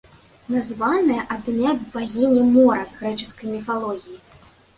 Названая ад імя багіні мора з грэчаскай міфалогіі.